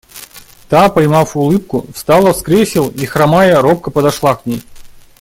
Та, поймав улыбку, встала с кресел и, хромая, робко подошла к ней.